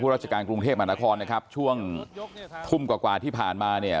ราชการกรุงเทพมหานครนะครับช่วงทุ่มกว่ากว่าที่ผ่านมาเนี่ย